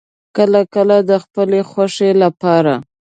کله کله د خپلې خوښې لپاره